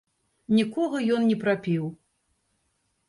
Нікога ён не прапіў.